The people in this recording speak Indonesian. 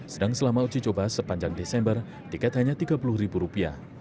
sedang selama uji coba sepanjang desember tiket hanya rp tiga puluh